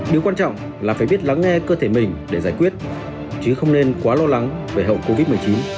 điều quan trọng là phải biết lắng nghe cơ thể mình để giải quyết chứ không nên quá lo lắng về hậu covid một mươi chín